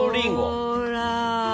ほら。